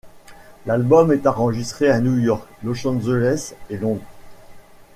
L'album est enregistré à New York, Los Angeles et Londres.